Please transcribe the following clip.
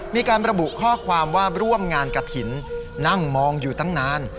มีการระบุข้อความว่าร่วมงานกระถิ่นนั่งมองอยู่ตั้งนาน